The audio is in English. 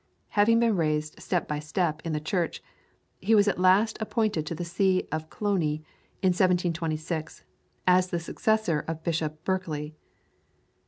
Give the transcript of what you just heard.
Having been raised step by step in the Church, he was at last appointed to the See of Cloyne, in 1826, as the successor of Bishop Berkeley.